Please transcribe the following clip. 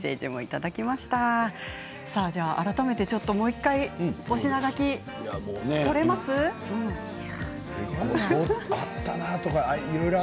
改めてもう１回、推し名書き撮れますか。